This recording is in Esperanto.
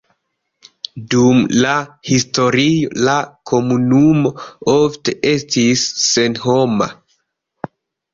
Dum la historio la komunumo ofte estis senhoma.